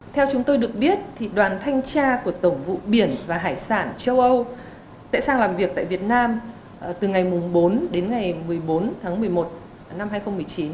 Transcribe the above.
theo chúng tôi được biết đoàn thanh tra của tổng vụ biển và hải sản châu âu sẽ sang làm việc tại việt nam từ ngày bốn đến ngày một mươi bốn tháng một mươi một năm hai nghìn một mươi chín